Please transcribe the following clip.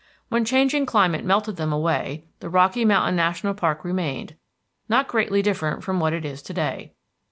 When changing climate melted them away, the Rocky Mountain National Park remained not greatly different from what it is to day.